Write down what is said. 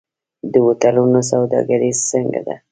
د هوټلونو سوداګري څنګه ده؟